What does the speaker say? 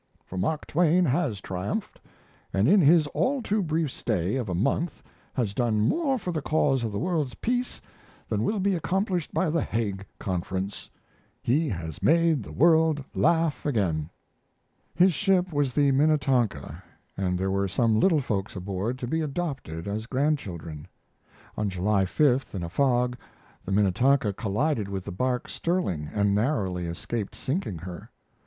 For Mark Twain has triumphed, and in his all too brief stay of a month has done more for the cause of the world's peace than will be accomplished by the Hague Conference. He has made the world laugh again." His ship was the Minnetonka, and there were some little folks aboard to be adopted as grandchildren. On July 5th, in a fog, the Minnetonka collided with the bark Sterling, and narrowly escaped sinking her.